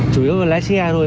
chủ yếu là lái xe thôi